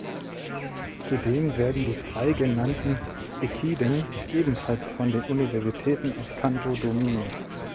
Zudem werden die zwei genannten Ekiden ebenfalls von den Universitäten aus Kanto dominiert.